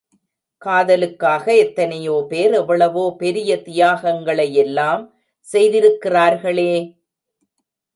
காதலுக்காக எத்தனையோ பேர் எவ்வளவோ பெரிய தியாகங்களை யெல்லாம் செய்திருக்கிறார்களே!